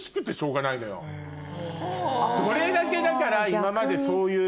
どれだけだから今までそういう。